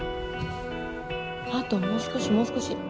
あともう少しもう少し